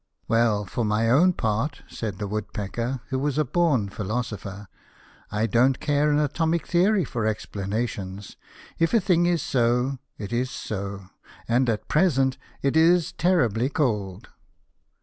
" Well, for my own part," said the Wood pecker, who was a born philosopher, " I don't care an atomic theory for explanations. If a thing is so, it is so, and at present it is terribly cold."